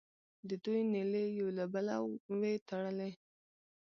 د دوی نیلې یو له بله وې تړلې.